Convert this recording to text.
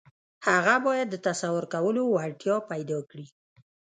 هغه بايد د تصور کولو وړتيا پيدا کړي.